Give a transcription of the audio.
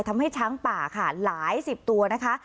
ทำให้ช้างป่าค่ะหลายสิบตัวนะคะ